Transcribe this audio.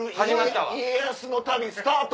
家康の旅スタート！」